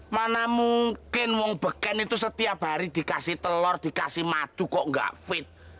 mana mungkin wong beken itu setiap hari dikasih telur dikasih madu kok nggak fit